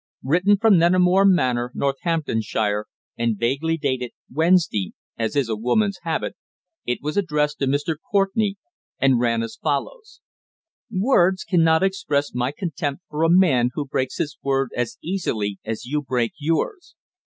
Written from Neneford Manor, Northamptonshire, and vaguely dated "Wednesday," as is a woman's habit, it was addressed to Mr. Courtenay, and ran as follows: _"Words cannot express my contempt for a man who breaks his word as easily as you break yours.